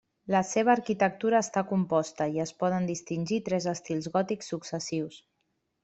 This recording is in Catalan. La seva arquitectura està composta, i es poden distingir tres estils gòtics successius.